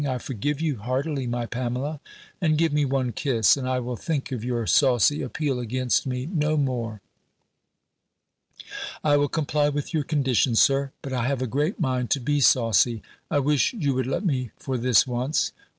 I forgive you heartily, my Pamela; and give me one kiss, and I will think of your saucy appeal against me no more." "I will comply with your condition, Sir; but I have a great mind to be saucy. I wish you would let me for this once."